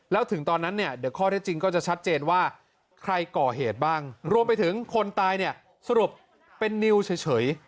แล้วถึงตอนนั้นเนี่ยเดี๋ยวข้อได้จริงก็จะชัดเจนว่าใครก่อเหตุบ้างรวมไปถึงคนตายเนี่ยสรุปเป็นนิวเฉย